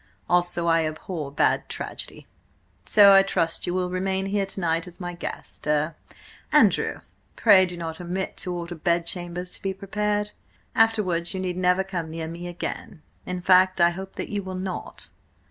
Also I abhor bad tragedy. So I trust you will remain here to night as my guest–er, Andrew, pray do not omit to order bed chambers to be prepared— Afterwards you need never come near me again–in fact, I hope that you will not."